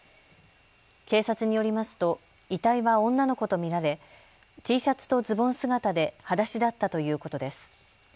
警察によりますと遺体は女の子と見られＴシャツとズボン姿ではだしだったということです。